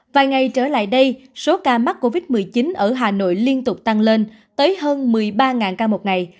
vài ngày trở lại đây số ca mắc covid một mươi chín ở hà nội liên tục tăng lên tới hơn một mươi ba ca một ngày